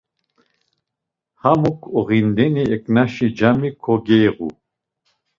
Hamuk oğindeni eǩnaşi cami kogeiğu.